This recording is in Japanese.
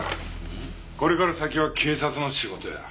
これから先は警察の仕事や。